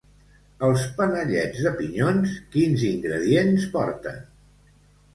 Els panellets de pinyons quins ingredients porten?